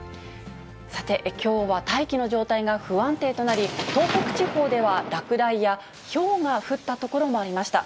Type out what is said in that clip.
さて、きょうは大気の状態が不安定となり、東北地方では落雷やひょうが降った所もありました。